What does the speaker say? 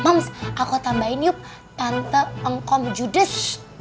mams aku tambahin yuk tante ngkom judes